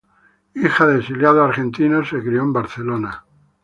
Hija de exiliados argentinos, se crió en Barcelona.